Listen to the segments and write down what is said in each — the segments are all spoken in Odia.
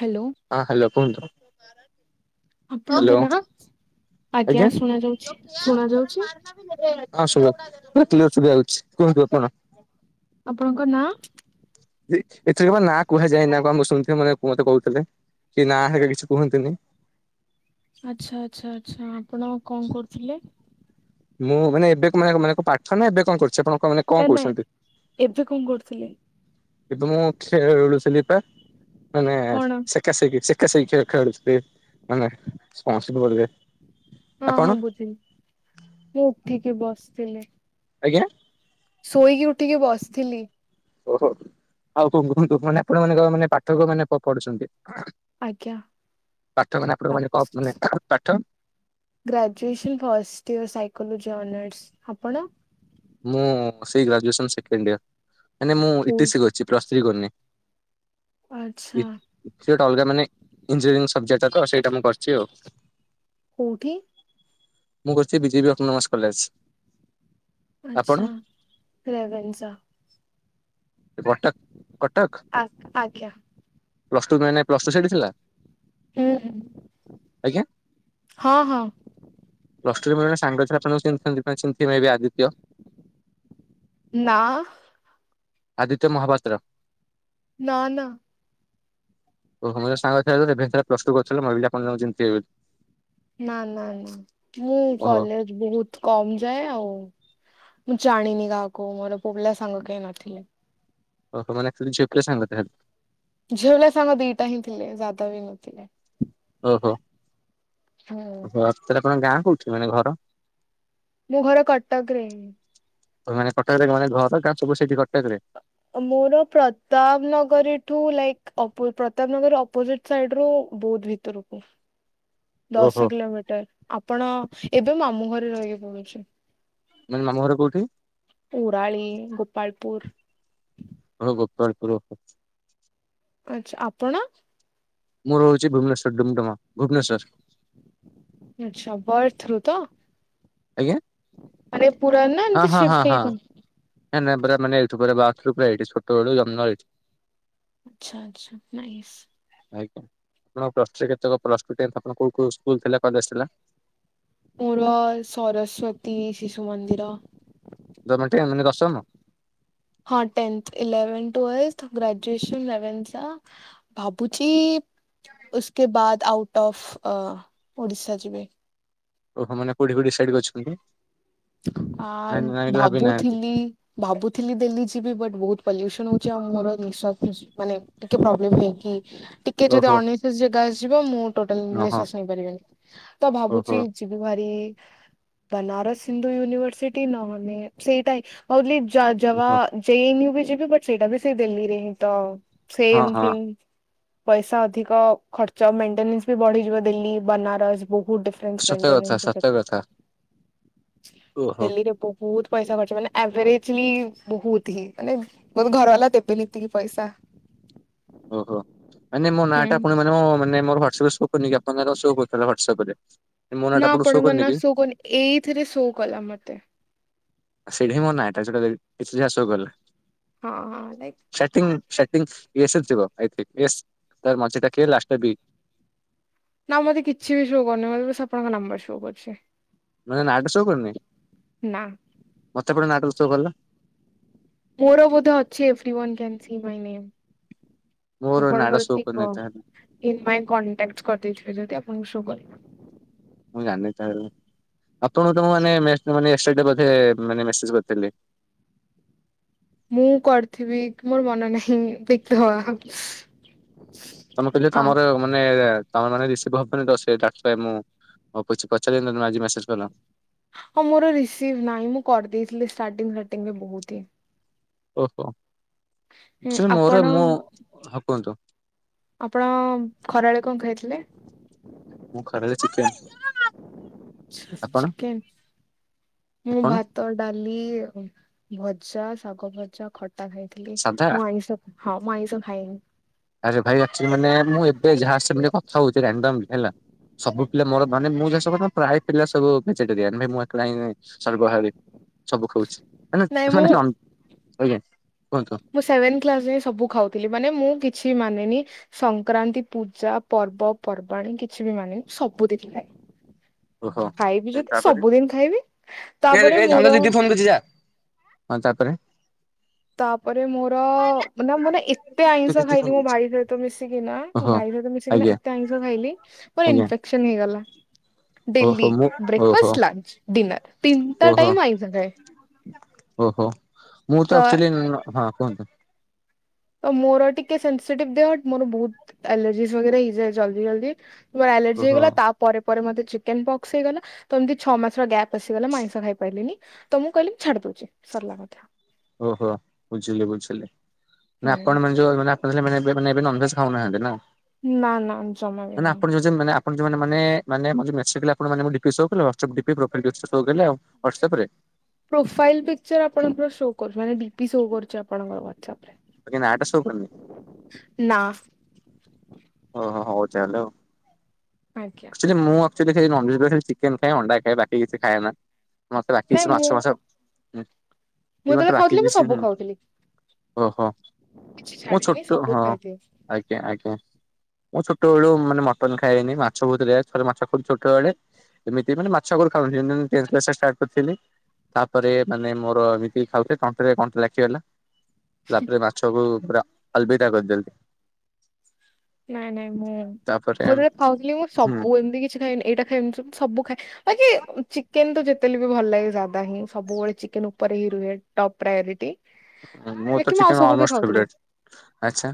ହାଲୋ। ହଁ ହାଲୋ କୁହନ୍ତୁ ହ୍ୟାଲୋ ଆପଣଙ୍କ ନାଁ ଆଜ୍ଞା ଶୁଣା ଯାଉଛି ଶୁଣା ଯାଉଛି? [unintelligible] ଆପଣଙ୍କ ନା? ଏଥିରେ ବା ନାଁ କୁହାଯାଏ ନି ନା କଣ ମୁଁ ଶୁଣିଥିଲି ମତେ କହୁଥିଲେ। କି ନାଁ ହେରିକା କିଛି କୁହନ୍ତି ନି। ଆଚ୍ଛା ଆଚ୍ଛା ଆଚ୍ଛା ଆପଣ କଣ କରୁଥିଲେ? ମୁଁ ମାନେ ଏବେ କ ମାନେ ମାନେ ପାଠ ନା ଏବେ କଣ କରିଛି ଆପଣ କଣ ମାନେ କଣ ନାଇଁ ନାଇଁ ଏବେ କଣ କରୁଥିଲେ? କିନ୍ତୁ ମୁଁ ଖେଳୁଥିଲି ବା ମାନେ କଣ ସେ [unintelligible] ହଁ ହଁ ବୁଝିଲି ମୁଁ ଉଠିକି ବସିଥିଲି। ଆଜ୍ଞା ଶୋଇକି ଉଠିକି ବସିଥିଲି। ଓହୋ ଆଉ କଣ କୁହନ୍ତୁ ମାନେ ଆପଣ ମାନେ କଣ ମାନେ ପାଠକ ମାନେ କଣ ପଢୁଛନ୍ତି ଆଜ୍ଞା। ପାଠକ ମାନେ ଆପଣ ମାନେ କଣ କୁହନ୍ତି ପାଠ graduation first year psychology honours ଆପଣ ମୁଁ ସେଇ ଗ୍ରାଜୁଏସନ ସେକେଣ୍ଡିୟର ମାନେ ମୁଁ କୋଉ ଇଟିସ କରିଛି ପ୍ଲସ ଥ୍ରି କରନି। ଆଚ୍ଛା। ସେ ଗୋଟେ ଅଲଗା ମାନେ ଇଞ୍ଜିନିୟରିଂ ସବଜେକ୍ଟା ତ ସେଇଟା ମୁଁ କରିଛି ଆଉ। କୋଉଠି? ମୁଁ କରିଛି B J B autonomous college. ଆପଣ ଆଛା, ରେଭେନ୍ସା। କଟକ କଟକ ଆ ଆଜ୍ଞା। ପ୍ଲସଟୁ ନାଇଁ ନାଇଁ ପ୍ଲସଟୁ ସେଇଠି ଥିଲା? ହୁଁ ଆଜ୍ଞା ହଁ ହଁ। [unintelligible] ନା। ଆଦିତ୍ୟ ମହାପାତ୍ର। ନା ନା। ମୋର ଜଣେ ସାଙ୍ଗ ଥିଲା ରେଭେନ୍ସାରେ ପ୍ରସ ଟୁ କରିଥିଲା, ମୁଁ ଭାବିଲି ଆପଣ ତାକୁ ଚିହ୍ନି ଥିବେ ବୋଲି। ନା ନା ନା, ମୁଁ ଓହୋ କଲେଜ ବହୁତ କମ ଯାଏ ଆଉ ମୁଁ ଜାଣିନି କାହାକୁ, ମୋର ପୁଅ ପିଲା ସାଙ୍ଗ କେହି ନଥିଲେ। ଓହୋ ମାନେ ଆଚୁଏଲି ଝିଅ ପିଲା ସାଙ୍ଗ କେହି ନାହାନ୍ତି। ଝିଅ ପିଲା ସାଙ୍ଗ ଦିଟା ହିଁ ଥିଲେ, ଯାଦା ବି ନଥିଲେ। ଓହୋ ହୁଁ ଆକଚୁଆଲି ତମ ଗାଁ କୋଉଠି ମାନେ ଘର ମୁଁ ଘର କଟକରେ। [unintelligible] ମୋର ପ୍ରତାପ ନଗରୀଠୁ ଲାଇକ୍ ପ୍ରତାପ ନଗରୀ ଅପୋଜିଟ୍ ସାଇଡରୁ ବହୁଧ ଭିତ ତରକୁ ଓହୋ ଦଶ କିଲୋମିଟର, ଆପଣ ଏବେ ମାମୁଁ ଘରେ ରହିକି ପଢୁଛି। ମାନେ ମାମୁଁ ଘର କୋଉଠି? ଉରାଳି, ଗୋପାଳପୁର। କଣ ଗୋପାଳପୁର ଓହୋ। ଆଛା ଆପଣ? ମୁଁ ରହୁଛି ଭୁବନେଶ୍ୱର, ଡୁମଡୁମା, ଭୁବନେଶ୍ୱରରେ। ଆଚ୍ଛା, ବଏଥ୍ରୋ ରୁ ତ। ଆଜ୍ଞା। ଆରେ ପୁରନା ହଁ ହଁ ହଁ ହଁ [unintelligible] ଆଚ୍ଛା ଆଚ୍ଛା। ନାଇସ। ଆଜ୍ଞା ଆପଣ ପ୍ଳସ ଥ୍ରୀ ରେ କେତେ ପ୍ଳସ୍ କୋଉ କୋଉ ସ୍କୁଲ କଲେଜ ଥିଲା। ମୋର ସରସ୍ଵତୀ ଶିଶୁ ମନ୍ଦିର। ଜମାଟିୟାନ ମାନେ ଦର୍ଶମ ହଁ ଟ [unintelligible] ଭାବୁଚି ଉସକେ ବାଦ ଆଉଟ୍ ଅଫ୍ ଅ ଓଡିଶା ଯିବେ। ଓହୋ ମାନେ କୋଉଠି କୋଉଠି ଡିସାଇଟ୍ କରିଛନ୍ତି? ନାଇଁ ନାଇଁ ଆଣ୍ଡ ଭାବି ନାହାନ୍ତି ଭାବୁଥିଲି ଭାବୁଥିଲି ଦିଲ୍ଲୀ ଯିବି ବୋଲି ବଟ ବହୁତ ପଲ୍ୟୁସନ ହଉଛି ଆଉ ମୋର ନିଶ୍ୱାସ ପ୍ରଶ୍ୱାସ୍ ମାନେ ଟିକେ ଫ୍ଳୋବେମ୍ ହେଇକି ଟିକେ ଯଦି ଓହୋ ଅନିଶ୍ଵାସ ଜାଗା ଆସଯିବ ମୁଁ ଟୋଟାଲ ଓହୋ। ନିଶ୍ୱାସ ନେଇପାରିବିନି, ତ ଭାବୁଛି ଓହୋ ଯିବୁ ଭାରି ବନାରସ ହିନ୍ଦୁ ୟୁନିଭରସିଟି ନହେଲେ ସେଇଟା ହଉଲି ଜୟ ଜବା ଓହୋ ଜେଇନ୍ ଯିବି ବଟ ସେଇଟା ବି ଦିଲ୍ଲୀରେ ହିଁ ତ ହଁ ସେମ୍ ହଁ ଥିଙ୍ଗ ପଇସା ଅଧିକ ଖର୍ଚ୍ଚ ମେଟେନନ୍ସ ବି ବଢିଯିବ ଦିଲ୍ଲୀ, ବନାରସ ବହୁତ ଫ୍ରେ ସତ କଥା ମେଣ୍ଟେନେସ ସତ ପ୍ରି [unintelligible] କଥା ଓହୋ ଦିଲ୍ଲାରେ ବହୁତ ପଇସା ଖର୍ଚ୍ଚ ମାନେ ଆଭରେଜଲି ବହୁତ ହିଁ ମାନେ ମୁଁ କହିବି ଘରବଲା ଦେବେନି ଏତିକି ପଇସା। ଓହୋ ମାନେ ମୋ ନା ହୁଁ ଟା ପୁଣି ମାନେ ମାନେ ମୋର ୱାଟସପ ରେ ସୋ କରୁନି ଆପଣଙ୍କ ନାରେ ସୋ କରିଥିଲ ୱାଟସପ୍ ରେ। ନା ଆପଣଙ୍କ ନା ଶୋ କରୁନି ଏଇଥିରେ ଶୋ କଲା ମତେ। ସେଇଠି ମୋ ନାହିଁଟା ସେଟା କିଛି ଟା ସୋ କଲେ ହଁ ହଁ। ଲାଇକ୍ [unintelligible] ନା ମତେ କିଛି ବି ଶୋ କରୁନି ମେ ବାସ ଆପଣଙ୍କ ନମ୍ବର ଶୋ କରୁଛି। ମୋ ନାଆଁ ଟା ସୋ କରୁନି ନା। ମତେ ପଟେ ନାଁଟା ସୋ କଲା। ମୋର ବୋଧେ ଅଛି [unintelligible] ମୋର ନାଡ ଆପଣଙ୍କର ଶୋ ଠିକ କରିନଥାଏ କହ ଇନ ମାଇ କଣ୍ଟାକ୍ଟ କରିଦେଇଥିବେ ଯଦି ଆପଣଙ୍କୁ ସୋ କରିବ। ମୁଁ ଜାଣିନି ଚା ଆପଣଙ୍କୁ ତ ମୁଁ ମାନେ [unintelligible] ମେସେଜ କରିଥିଲି। ମୁଁ କରିଥିବି ମୋର ମନ ନାହିଁ ଦେଖ ହ ତମେ କହିଲେ ତମର ମାନେ ତମର ମାନେ ରିସିଭ ହବନି ତ ସେଟା ମୁଁ କିଛି ପଚାରିଲି ତମେ ଆଜି ମେସେଜ କଲ। ହଁ ମୋର ରିସିଭ ନାହିଁ ମୁଁ କରିଦେଇଥିଲି ଷ୍ଟାର୍ଟିାର୍ଟିରେ ବହୁତ ହିଁ। ଓହୋ ହୁଁ ଆଚ୍ୟୁଲି ଆପଣ ମୋର ମୁଁ ହ କୁହନ୍ତୁ? ଆପଣ ଖରାବେଳେ କଣ ଖାଇଥିଲେ? ମୁଁ ଖରାବେଳେ ଚିକେନ। ଆପଣ ଚିକେନ। ମୁଁ ଭାତ ଆପଣ ଭାତ, ଡାଲି, ଭଜା, ଶାଗ ଭଜା, ଖଟା, ଖାଇଥିଲି। ସାଧା ମୁଁ ଆଇଁଷ ହଁ ମୁଁ ଆଇଁଷ ଖାଏନି। ଆରେ ଭାଇ ଆଚ୍ୟୁଲି ମାନେ ମୁଁ ଏବେ ଯାହା ସାଙ୍ଗେ କଥା ହଉଥିଲି [unintelligible] ହେଲା। ସବୁ ପିଲା ମୋର ମାନେ ମୁଁବ ପ୍ରାୟ ପିଲା ସବୁ ଭେଜିଟେରରିଆନ୍। ଭାଇ ମୁଁ ଏକଲା ହିଁ ସର୍ବହାରୀ। ସବୁ ଖାଉଛି ନାଇଁ ମାନେ ମୁଁ - ଆଜ୍ଞା କୁହନ୍ତୁ? ମୁଁ ସେଭେନ୍ କ୍ଲାସ ସବୁ ଖାଉଥିଲି ମାନେ ମୁଁ କିଛି ମାନେନି। ସଂକ୍ରାନ୍ତି ପୂଜା ପର୍ବପର୍ବାଣୀ କିଛି ବି ମାନେନି ସବୁଦିନ୍ ଖାଏ। ଓହୋ। ଖାଇବି ଯଦି ତାପରେ ସବୁଦିନ ଖାଇବି। ତାପରେ ମୋର ବୁଝି ଯା ହଁ ଚାପରେ ତାପରେ ମୋର ମାନେ ମାନେ ଏତେ ତୁ ଆଇଁଷ ଦିଦି ଫୋନ ଖାଇଲି ମୋ କରୁଛି ଭାଇ ସହିତ ମିଶିକି ନା ମୋ ଓହୋ। ଭାଇ ସହିତ ମିଶିକିନା ଆଜ୍ଞା ଏତେ ଆଇଁଷ ଖାଇଲି ମୋର ଆଜ୍ଞା ଇନଫେକ୍ସନ ହେଇଗଲା। ଓହୋ ଡେଲି ମୁଁ ଓହୋ ବ୍ରେକଫାଷ୍ଟ ଲଞ୍ଚ ଡିନର ତିନଟା ଓହୋ ଟାଇମ ମୁଁ ଆଇଁଷ ଖାଏ। ଓହୋ ମୁଁ ତ ଆକ୍ଚୁଲି ନ-ହଁ କୁହନ୍ତୁ। ତ ମୋର ଟିକେ ସେନ୍ସିଟିଭ୍ ଦେହ ମୋର ବହୁତ ଆଲର୍ଜିଜ୍ ବାଗେରା ହେଇଯାଏ ଜଲଦି ଜଲଦି। ମୋର ଆଲର୍ଜି ଓହୋ ହେଇଗଲା ତା ପରେ ପରେ ମତେ ଚିକେନ ପକ୍ସ ହେଇଗଲା ତ ଏମିତି ଛଅ ମାସର ଗ୍ୟାପ ପଶିଗଲା ମୁଁ ଆଇଁଷ ଖାଇ ପାରିଲିନି ତ ମୁଁ କହିଲି ମୁଁ ଛାଡି ଦଉଛି ସରିଲା କଥା। ଓହୋ ବୁଝିଲି ବୁଝିଲି ହୁଁ ନା ଆପଣ ମାନେ ଯୋଉ ମାନେ ଆ ନେବେ ନେବେ ମାନେ ଏବେ ନନଭେଜ ଖାଉନାହାନ୍ତି ନା। ନା ନା ଜମା ବିିି ନୁହଁ। ଯେ ମାନେ ଆପଣ ଯୋଉମାନେ ମାନେ ମାନେ ମୋର ଯୋଉ ମେଶି ଥିଲା ଆପଣ ମାନେ ମୋ ଡିପି ସୋ କଲା WhatsApp DP profile DP show କଲା। ହ୍ୱାଟସଆପ ରେ। ପ୍ରୋଫାଇଲ୍ ପିକଚର ଆପଣଙ୍କର ସୋ କରୁନି ମାନେ ଡିପି ସୋ କରୁଛି ଆପଣଙ୍କର ହ୍ୱାଟସଆପ ରେ। ବାକି ନାଁ ଟା ସୋ କରୁନି। ନା। ଓହୋ ହଉ ଚାଲେ ଆଉ। ଆଜ୍ଞା। ହିଲେ ମୁଁ ଆକଚୁଆଲି ସେଇ ନନଭେଜ୍ ପ୍ଲେଟ୍ ଖାଲି ଚିକେନ ଖାଏ ଅଣ୍ଡା ଖାଏ ବାକି କିଛି ଖାଏନା ମତେ ବାକି ନାଇଁ କିଛି ମୁଁ ମାଛ ଫାଛ ହୁଁ ମୁଁ ତୁଇ ମତେ ଯେତେବେଳେ ବାକି ଖାଉଥିଲି ମୁଁ କିଛିନ୍ ସବୁ ଖାଉଥିଲି ଓହୋ କିଛି ମୁଁ ଛାଡିନି ଛୋଟ ସବୁ ହଁ। ଖାଇଦିଏ ଆଜ୍ଞା ଆଜ୍ଞା। ମୁଁ ଛୋଟ ବେଳୁ ମାନେ ମଟନ ଖାଇନି ମା ଛ ବହୁତ ରେଆର ଥରେ ମାଛ ଖ-ଛୋଟ ବଳେ ଏମିତି ମାନେ ମାଛ ଆଗରୁ ଖାଉନଥିଲି [unintelligible] ଟେନ୍ କ୍ଲାସ ରେ ଷ୍ଟାର୍ଟ କରିଥିଲି। ତାପରେ ମାନେ ମୋର ଏମିତି ଖାଉଥାଏ ତଣ୍ଟି ରେ କଣ୍ଟା ଲାଖିଗଲା। ତାପରେ ମାଛକୁ ପୁରା ଅଲବିଦା କରିଦେଲି। ନାଇଁ ନାଇଁ ମୁଁ ମୁଁ ତାପରେ ଯେତେବଳେ ଖାଉଥିଲି ମୁଁ ହୁଁ ସବୁ ଏମିତି କିଛି ଖାଇନି ଏଇଟା ଖାଏ ଏମିତି ସବୁ ଖାଏ ବାକି ଚିକେନ ତୁ ଯେ ତେ ହେଲେବି ଭଲ ଲାଗେ ଯାଦା ହିଁ ସବୁବେଳେ ଚିକେନ ଉପରେ ହି ରୁହେ ଟପ ପ୍ରାୟୋରିଟି। ହୁଁ ମୋର ବାକି ତ ମୁଁ ଆଉ ଚିକେନ ସବୁ ବି ଅଲମୋଷ୍ଟ ଖାଉଥିଲି ଫେବରାଇଟ୍। ଆଚ୍ଛା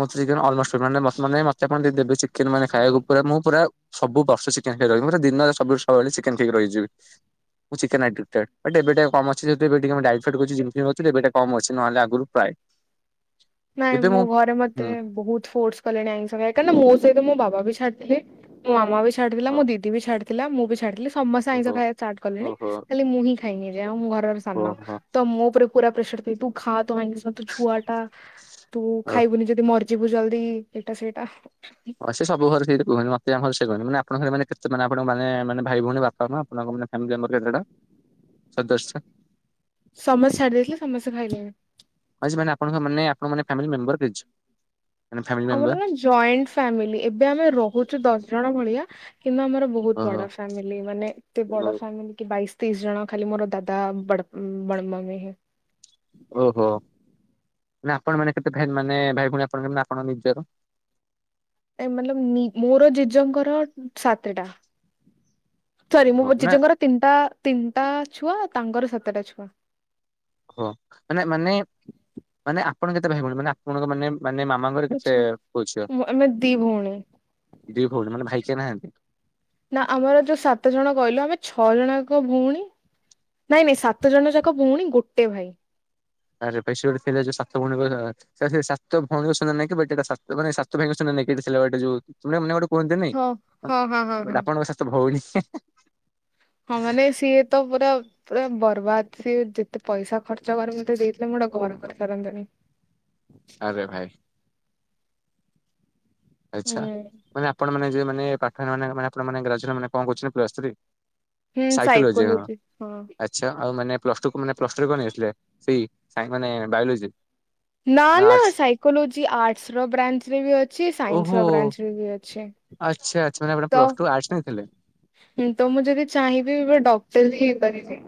ମୋର ତ ଚିକେନ ଅଲ୍ମୋଷ୍ଟ ଫେ-ମାନେ-ମ-ମାନେ ମତେ ପୁଣି ଦିଦି ଦେବେ ଚି ଚିକେନ ମାନେ ଖାଇବାକୁ ପୁରା ମୁଁ ପୁରା ସବୁ ବର୍ଷ ଚିକେନ ଖାଇ ରହିବି ମୁଁ ପୁରା ଦିନରେ ସବୁୁ-ସବୁବେଳେ ଚିକେନ ଖାଇକି ରହିଯିବି। ମୁଁ ଚିକେନ ଆଡ଼ିକ୍ଟେ଼ଡ୍ ଏ ଡେବି ଟିକେ କମ୍ ଅଛି [unintelligible] କମ ଅଛି ନହେଲେ ଆଗୁରୁ ପ୍ରାଏ। ନାଇଁ ମୋ ଘରେ ମତେ ହୁଁ ବହୁତ ଫୋର୍ସ କଲେଣି ଆଇଁଷ ଖାଇ କାହିଁକିନା ମୋ ସହିତ ମୋ ବାବା ବି ଛାଡିିଥିଲେ। ମୋ ମାମ ବି ଛାଡି ଥିଲା ମୋ ଦିଦି ବି ଛାଡି ଥିଲା ମୁଁ ବି ଛାଡିଲି ସମସ୍ତେ ଆଇଁଷ ଓହୋ ଖାଇବା ଷ୍ଟାଟ୍ କଲେଣି ଓହୋ ଖାଲି ମୁଁ ହିଁ ଖାଇନି ଏ ଯାଏ ଆଉ ମୁଁ ଘରର ସାନ ଓହୋ। ତ ମୋ ଉପରେ ପୁରା ପ୍ରେସର ଦେଇ ତୁ ଖା ତୁ ଆଇଁଷ ତୁ ଛୁଆ ଟା। ତୁ ଖାଇବୁନି ଯଦି ମରିଯିବୁ ଜଲଦି ଏଇଟା ସେଇଟା। ହ ସେ ସବୁ ଘରେ ସେଇଟା କୁହନ୍ତି ମତେ ଆମ ଘରେ ସେ କୁହନ୍ତି ମାନେ ଆପଣଙ୍କ ଘରେ ମାନେ [unintelligible] ଆପଣ ମାନେ ମାନେ ଭାଇ ଭଉଣୀ ବା [unintelligible] ସଦସ୍ୟ। ସମସ୍ତେ ଛାଡି ଦେଇଥିଲେ ସମସ୍ତେ ଖାଇଲେଣି। ଆଜି ମାନେ ଆପଣଙ୍କ ମାନେ ଆପଣମାନେ ଫ୍ୟାମିଲି ମେମ୍ବର ପିର୍ଜ୍ ଆମର ନା ଜଏଣ୍ଟ ଫ୍ୟାମିଲି ଏବେ ଆମେ ରହୁଛୁ ଦଶ ଜଣ ଭଳିଆ କିନ୍ତୁ ଆମର ବ ବହୁତ ଓହୋ ବଡ ଫ୍ୟାମିଲି ମାନେ ଏତେ ବଡ ଫ୍ୟାମିଲି କି ବାଇଶ୍ ତିଶ୍ ଜଣ ଖାଲି ମୋର ଦାଦା ବଡ୍-ବଡମମି ହିଁ। ଓହୋ ମାନେ ଆପଣ ମାନେ କେତେ ଫେ-ମାନେ ଭାଇ ଭଉଣୀ ଆପଣ କେମତି ଆପଣ ନିଜର? ଏ ମତଲବ ନି-ମୋର ଜେଜଙ୍କର ସାତେ ଟା। ସରି ମୋ ଓହୋ ମାନେ ଜେଜଙ୍କର ତିନିଟା ତିନିଟା ଛୁଆ ତାଙ୍କର ସାତଟା ଛୁଆ। ହଁ ମାନେ ମାନେ ମାନେ ଆପଣ କେତେ ଭାଇ ଭଉଣୀ ମାନେ ଆପଣଙ୍କ ମାନେ ମାନେ ମାମାଙ୍କର କେତେ ଆଛା ପୁଅ ଝିଅ? ଆମେ ଦି ଭଉଣୀ ଦି ଭଉଣୀ ମାନେ ଭାଇ କିଏ ନାହାନ୍ତି। ନା ଆମର ଯୋଉ ସାତ ଜଣ କହିଲ ଆମେ ଛଅଜଣ ଯାକ ଭଉଣୀ ନାଇଁ ନାଇଁ ସାତ ଜଣ ଯାକ ଭଉଣୀ ଗୋଟେ ଭାଇ। [inaudible] ସେ ସେ ସାତ ଭଉନୀଙ୍କ ସୁନାନାକି ବଟଟାେ ସାତ ଭାଇଙ୍କ ସୁନାନାକି ଥିଲା ବଟେ ଯୋଉ ମନେ ଗୋଟେ କୁହନ୍ତି ନାଇଁ ହଁ ହଁ ହଁ ହଁ ଗୋଟେ ହଁ। ଆପଣଙ୍କ ସାତ ଭଉନୀ। ହଁ ମାନେ ସିଏ ତ ପୁରା ତ ବର୍ବାଦ ସ ଯେତେ ପଇସା ଖର୍ଚ୍ଚ କରିରେ ମୋତେ ଦେଇଥିଲେ ମୁଁ ଗୋଟେ ଘର କରିସାରନ୍ତିନି। ଆରେ ଭାଇ। ଆଚ୍ଛା ମାନେ ଆପଣ ମାନେ ମାନେ ପାଠୋନେପ ମାନ ଗ୍ରାଜୁଏସନ ମାନେ କଣ କହୁଛନ୍ତି ପ୍ଲସ ତ୍ରୀ। ସାଇକୋଲୋଜି ହଁ ଆ ଆଛା ଆଉ ମାନେ ପ୍ଲସ୍‌ ଟୁୁ ମାନେ ପ୍ଲସ୍ ଟୁ ରେ କଣ ନେଇଥିଲେ ସେଇ ମାନେ ବାୟୋଲୋଜି। ନା ନା ସାଇକୋଲୋଜି ଆର୍ଟସର ବ୍ରାଞ୍ଚରେ ବି ଅଛି ଓହୋ ସାଇନ୍ସର ବ୍ରାଞ୍ଚରେ ବି ଅଛି। ଆଚ୍ଛା ଆଚ୍ଛା ଆପଣ ପ୍ଲସ୍‌ ଟୁ ଆଟର୍ସ ନେଇଥିଲେ। ହୁଁ ତ ମୁଁ ଯଦି ଚାହିଁବି ଡକ୍ଟର ବି ହେଇପାରିବି।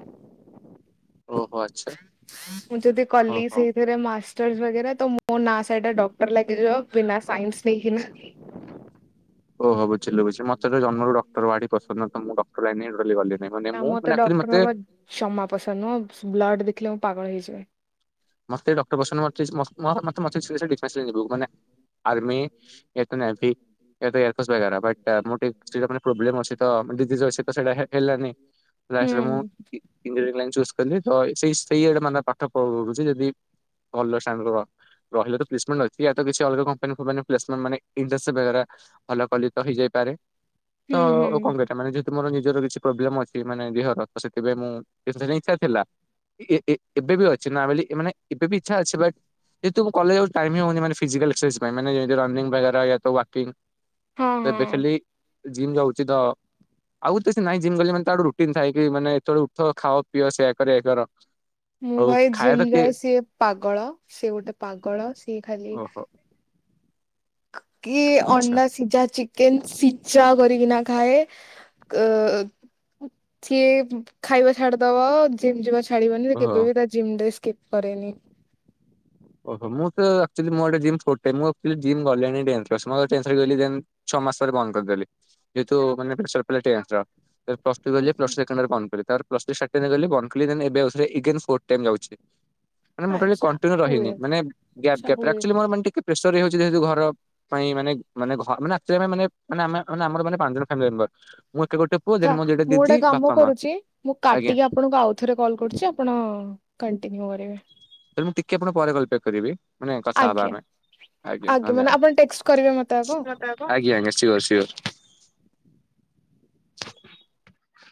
ଓହୋ ଆଚ୍ଛା ମୁଁ ଯଦି କଲି ଓହୋ। ସେଇଥିରେ ମା [unintelligible] ତ ମୋ ନା ସାଇଟରେ ଡକ୍ଟର ଲାଗିଯିବ ବିନା ସାଇନ୍ସ ନେଇକି ନା। ଓହୋ ବୁଝିଲୁ ଚି ମତେ ତ ଜନ୍ମରୁ ଡକ୍ଟର ବାଡି ପସନ୍ଦ ନୁହଁ ତ ମୁଁ ଡକ୍ଟର ଲାଇନରେ ଗଲି। ନାଇଁ ମାନେ ନା ମୁଁ ମତେ ଏକ୍ଟୁଆଲି ଡକ୍ଟର ମତେ ହବା ଜମା ପସନ୍ଦ ନୁହଁ ବ୍ଲଡ଼ ଦେଖିଲେ ମୁଁ ପାଗଳ ହେଇଯିବି। [unintelligible] ମାନେ ଆର୍ମି। କେହିତ ନାହାଁନ୍ତି। [unintelligible] ମୁଁ ମାନେ ହିଷ୍ଟୋରୀ ଟିକେ ପ୍ରୋବ୍ଲେମ ଅଛିତ [unintelligible] ତ ସେଟା ହେଲାନି। ହୁଁ ଲାଷ୍ଟ ରେ ମୁଁ ଇଞ୍ଜିନୟର ଲାଇନ୍ ଚୁଜ୍‌ ତ ସେଇ ସେଇଆଡେ ମାନେ ପାଠ ପଢୁଛି। ତ ଯଦି ଭଲସାଙ୍ଗ। ରହିଲ ତ ପ୍ଲେସମେଣ୍ଟ ଅଛି ୟା ତ କିଛି ଅଲଗା କମ୍ପାନୀ ଫମ୍ପାନୀ ପ୍ଲେସ ପେଣ୍ଟ ମାନେ ଇନ୍‌ଦେଶୀ ବେହେରା। ଭଲ କଲି ତ ହେଇଯାଇପାରେ ତ ହୁଁ ହୁଁ କଣ ପାଇଁ ଏଟା ମାନେ ଯେ ମୋର ନିଜର କିଛି ପ୍ରୋବ୍ଲେମ ଅଛି ମାନେ ଦେହର ତ ସେଥିପାଇଁ ମୁଁ କିଛି ଦିନି ଇଛା ଥିଲା। ଏବେ ବି ଅଛି ନମାଲି ମାନେ ଏବେ ବି ଇଚ୍ଛା ଅଛି ବଟ ଯେହେତୁ ମୁଁ କଲେଜ ଯାଉଛି ଟାଇମ୍ ହୋଉନି ଫିଜିକାଲ ଏକ୍ସରସାଇଜ ପାଇଁ ମାନେ ରନିଂ ବଗେରା ସବୁ ୱର୍କିଙ୍ଗ। ହଁ ତ ଏବେ ହଁ। ଖାଲି ଜିମ୍ ଯାଉଚି ତ। ଆଉ ତ ସେ ନାହିଁ ଜିମ୍ ଗଲେ ମାନେ ରୁଟିନ୍ ଥାଏ କି ମାନେ ଏତେବେଳେ ଉଠ ଖାଅ ପିଅ ସେୟା କର ଏୟା କର। ମୁଁ ହଉ ଭାଇ ଖାଇବା ଜିମ୍ ତ କିଏ ଯାଏ ସିଏ ପାଗଳ ସିଏ ଗୋଟେ ପାଗଳ। ସିଏ ଖାଲି ଓହୋ କି ଆଚ୍ଛା ଅଣ୍ଡା ସିଝା ଚିକେନ ସିଚା କରିକିନା ଖାଏ। ସିଏ ଖାଇବା ଛାଡିଦବ। ଜିମ୍ ଯିବା ଛାଡିବନି ଓହୋ କେବେ ବିି ତା ଜିମ୍ ରେ ସ୍କିପ୍ କରେନି। ଓହୋ ମୁଁ ତ ଏକ୍ଟୁଆଳି ମୋ ଆଡେ ଜିମ୍ ସ୍ପଟ ଟେ ମୁଁ ଆକଚୁଆଲି [unintelligible] ଛଅ ମାସରେ ବନ୍ଦ କରିଦେଲି ଯେହେତୁ ମାନେ ପ୍ରେସର ପଡିଲା ଟେନ୍ସ ର। ପ୍ଲସ ଥ୍ରୀ କଲି ପ୍ଲସ ଆଚ୍ଛା ଥ୍ରୀ ସେକେଣ୍ଡ ଇଅର୍ ବନ୍ଦ୍ କଲି। ତାର ପ୍ଲସ ଥ୍ରୀ ସେକେଣ୍ଡ ୟିଅର ଦେଲି ବନ୍ଦ କଲି ଏବେ ଆଉସ୍‌ରେ ଇଗେନ୍ ସ୍ପଟେନ ଯାଉଚି। ମାନେ ମୁଁ କେବେ ଆଚ୍ଛା। କଣ୍ଟିନ୍ୟୁ ରହିନୀ। ହୁଏ ଗ୍ୟାପ ଆଚ୍ଛା ଗ୍ୟାପ୍ ହୁଏ ଆକଚୁଆଲି ଆଚ୍ଛା ମୋର ଟିକେ ପ୍ରେସର ହେଇଯାଉଛି ଯେହତୁ ଘର। ପାଇଁ ମାନେ ମାନେ ମାନେ ଆ ଆମ ମାନେ ଅନା ଆମର ପାଞ୍ଚ ଜଣ ମେମ୍ବର ମୁଁ ଏଠି ଗୋଟେ ପୁଅ ଆଛା ଦେନ୍ ମୋ ଦିଟା ମୁଁ ଦିଦି ଗୋଟେ କାମ ବାପା ମା କରୁଛି ମୁଁ ଆଜ୍ଞା କାଟିକି ଆପଣଙ୍କୁ ଆଉ ଥରେ କଲ କରୁଛି। ଆପଣ କଣ୍ଟିନ୍ୟୁ କରିବେ। କେବଳ ପରେ କଲ ବ୍ୟାକ କରିବି ମାନେ କଥା ହବା ଆଜ୍ଞା ଆମେ ଆଜ୍ଞା ମାନେ ଧନ୍ୟବାଦ। ଆପଣ ଟେକ୍ସଟ କରିବେ ମତେ ଆଗ। ଆଜ୍ଞା ଆଜ୍ଞା ସିଓର ସିଓର।